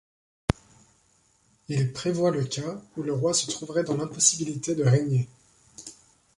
Il prévoit le cas où le Roi se trouverait dans l'impossibilité de régner.